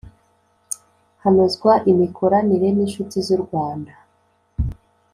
Hanozwa imikoranire n’ inshuti z ‘u Rwanda